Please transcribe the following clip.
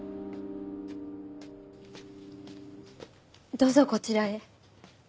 どうぞこちらへ。